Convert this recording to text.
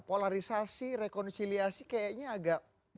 polarisasi rekonisiliasi kayaknya agak